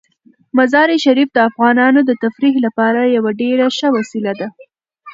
مزارشریف د افغانانو د تفریح لپاره یوه ډیره ښه وسیله ده.